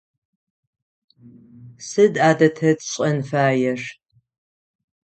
Сыд адэ тэ тшӏэн фаер?